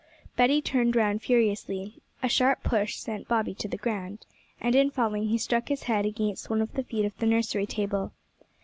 Betty turned round furiously; a sharp push sent Bobby to the ground, and in falling he struck his head against one of the feet of the nursery table.